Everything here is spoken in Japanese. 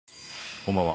こんばんは。